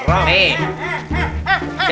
udah udah pade